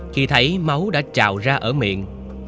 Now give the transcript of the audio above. khi thấy máu đã trào ra ở miệng